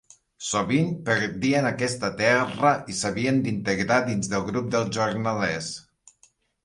Sovint perdien aquesta terra i s'havien d'integrar dins el grup dels jornalers.